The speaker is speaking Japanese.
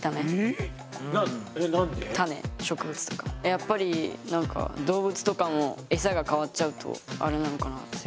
やっぱり動物とかも餌が変わっちゃうとあれなのかなって。